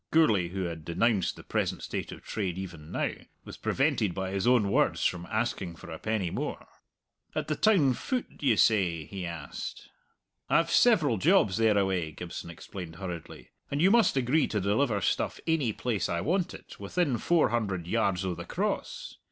Gourlay, who had denounced the present state of trade even now, was prevented by his own words from asking for a penny more. "At the town foot, you say?" he asked. "I've several jobs thereaway," Gibson explained hurriedly, "and you must agree to deliver stuff ainy place I want it within four hundred yards o' the Cross.